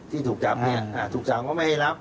ที่ถูกจับเนี่ยถูกสั่งว่าไม่ให้รับ